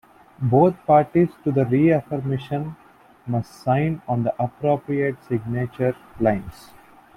Both parties to the reaffirmation must sign on the appropriate signature lines.